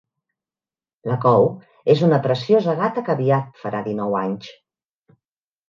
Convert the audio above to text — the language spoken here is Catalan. La Cow és una preciosa gata que aviat farà dinou anys.